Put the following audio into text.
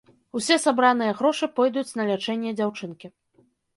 Усе сабраныя грошы пойдуць на лячэнне дзяўчынкі.